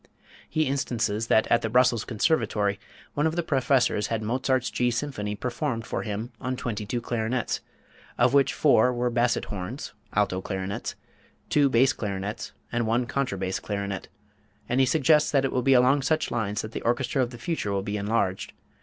He instances that at the Brussels Conservatory one of the professors had Mozart's G minor symphony performed for him on twenty two clarinets, of which four were basset horns (alto clarinets), two brass clarinets, and one contra bass clarinet; and he suggests that it will be along such lines that the orchestra of the future will be enlarged.